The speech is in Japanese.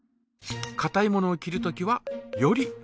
かたいものを切るときはより太く。